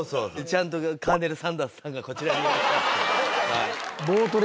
ちゃんとカーネル・サンダースさんがこちらにいらっしゃって。